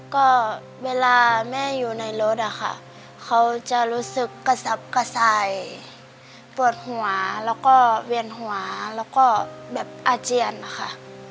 ก็เวลาแม่อยู่ในรถอะค่ะเขาจะรู้สึกกระสับกระสายปวดหัวแล้วก็เวียนหัวแล้วก็แบบอาเจียนนะคะ